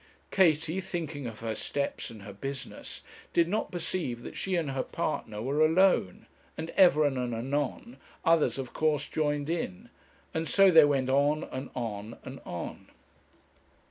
Katie, thinking of her steps and her business, did not perceive that she and her partner were alone; and ever and anon, others of course joined in and so they went on and on and on.